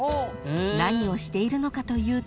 ［何をしているのかというと］